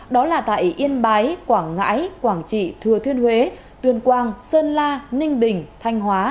đó là tại yên bái quảng ngãi quảng trị thừa thiên huế tuyên quang sơn la ninh bình thanh hóa